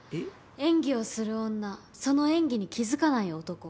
「演技をする女その演技に気づかない男」。